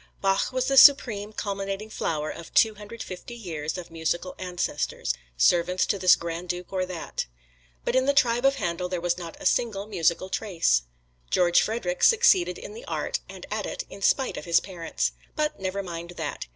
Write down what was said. Bach was the supreme culminating flower of two hundred fifty years of musical ancestors servants to this Grand Duke or that. But in the tribe of Handel there was not a single musical trace. George Frederick succeeded to the art, and at it, in spite of his parents. But never mind that!